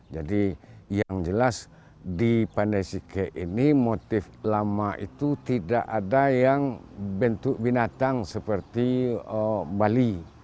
jadi yang jelas di pandai sike ini motif lama itu tidak ada yang bentuk binatang seperti bali